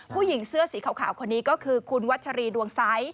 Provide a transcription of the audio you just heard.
ผู้หญิงเสื้อสีขาวคนนี้ก็คือคุณวัชรีดวงใส